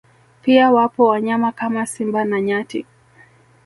Pia wapo wanyama kama Simba na nyati